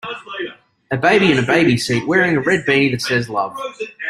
A baby in a baby seat wearing a red beanie that says love .